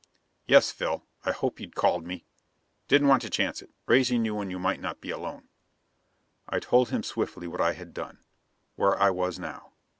"Yes, Phil. I hoped you'd call me. Didn't want to chance it, raising you when you might not be alone." I told him swiftly what I had done; where I was now.